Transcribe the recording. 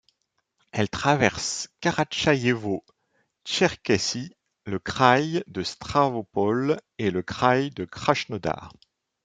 Elle traverse la Karatchaïévo-Tcherkessie, le kraï de Stavropol et le kraï de Krasnodar.